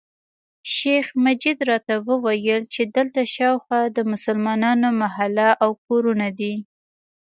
شیخ مجید راته وویل چې دلته شاوخوا د مسلمانانو محله او کورونه دي.